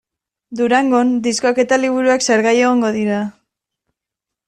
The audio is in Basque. Durangon diskoak eta liburuak salgai egongo dira.